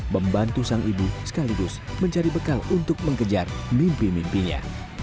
membantu sang ibu sekaligus mencari bekal untuk mengejar mimpi mimpinya